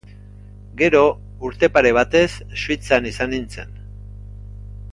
Gero, urte pare batez Suitzan izan nintzen.